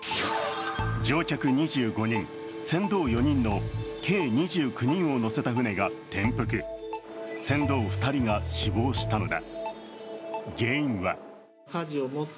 乗客２５人、船頭４人の計２９人を乗せた舟が転覆、船頭２人が死亡したのだ。